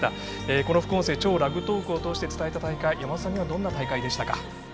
この副音声「＃超ラグトーク」を通して伝えた大会、山本さんにとってどんな大会でしたか？